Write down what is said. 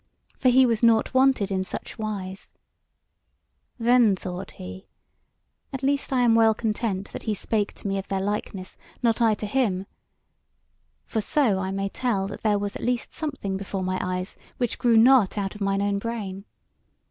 for he was nought wonted in such wise; then thought he: At least I am well content that he spake to me of their likeness, not I to him; for so I may tell that there was at least something before my eyes which grew not out of mine own brain.